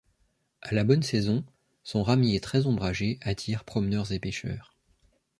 À la bonne saison, son ramier très ombragé attire promeneurs et pêcheurs.